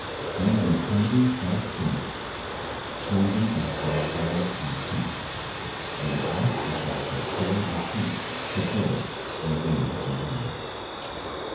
Then, on eternity's dark brink, Between them dost thou pause, and think, And ask, if thou shalt soar or sink To joy or wo the heir.